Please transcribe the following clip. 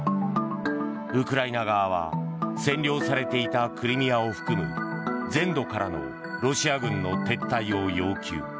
ウクライナ側は占領されていたクリミアを含む全土からのロシア軍の撤退を要求。